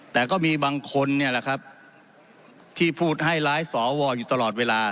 แต่ก็มีบางคนเนี่ยแหละครับที่พูดให้ร้ายสวอยู่ตลอดเวลา